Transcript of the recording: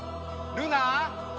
ルナ？